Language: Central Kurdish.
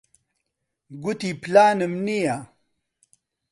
گوتی پلانم نییە.